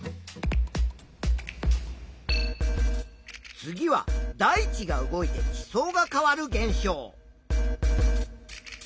次は大地が動いて地層が変わる現象。